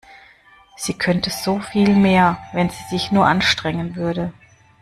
Sie könnte so viel mehr, wenn sie sich nur anstrengen würde.